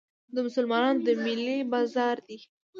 د مسلمانانو د محلې بازار دی.